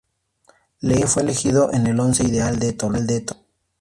Lee fue elegido en el once ideal del Torneo.